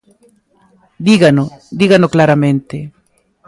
Dígano, dígano claramente.